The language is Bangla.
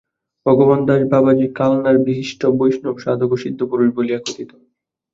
ভগবানদাস বাবাজী কালনার বিশিষ্ট বৈষ্ণব সাধক ও সিদ্ধপুরুষ বলিয়া কথিত।